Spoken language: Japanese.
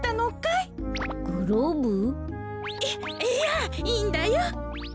いいやいいんだよ。